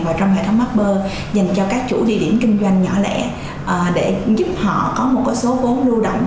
và trong hệ thống apper dành cho các chủ địa điểm kinh doanh nhỏ lẻ để giúp họ có một số vốn lưu động